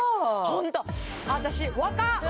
ホント私若っ！